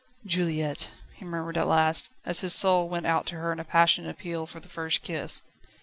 "Juliette!" he murmured at last, as his soul went out to her in a passionate appeal for the first kiss.